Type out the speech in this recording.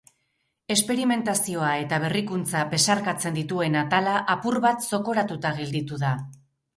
Esperimentazioa eta berrikuntza besarkatzen dituen atala apur bat zokoratuta gelditu da.